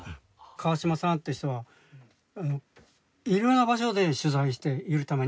川島さんという人はいろんな場所で取材しているために。